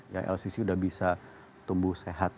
ya lcc sudah bisa tumbuh sehat